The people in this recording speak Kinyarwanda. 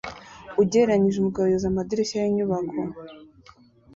Ugereranyije umugabo yoza amadirishya yinyubako